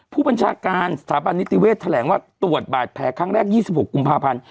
ผู้บัญชาการสถาบันนิติเวศแถลงว่าตรวจบาดแผลครั้งแรก๒๖กุมภาพันธ์